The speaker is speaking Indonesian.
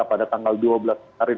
pada tanggal dua belas kemarin